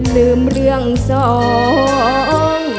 ลืมเรื่องสอง